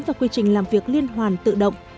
và quy trình làm việc liên hoàn tự động